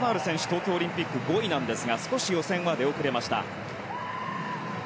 東京オリンピック５位なんですが少し予選は出遅れました。